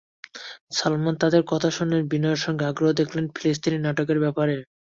সালমান তাঁদের কথা শুনলেন বিনয়ের সঙ্গে, আগ্রহ দেখালেন ফিলিস্তিনি নাটকের ব্যাপারে।